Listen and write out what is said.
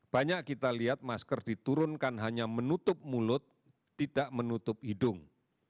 banyak kita lihat masker diturunkan hanya menutup mulut tidak menutup hidung